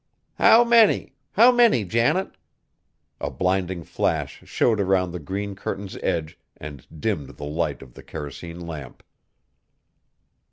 "How many? How many, Janet?" A blinding flash showed around the green curtain's edge and dimmed the light of the kerosene lamp.